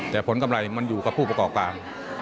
แต่ผลกำไรมันอยู่กับผู้ประกอบการ